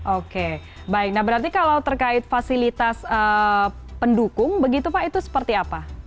oke baik nah berarti kalau terkait fasilitas pendukung begitu pak itu seperti apa